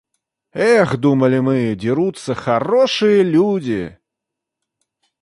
Эх, думали мы, дерутся хорошие люди.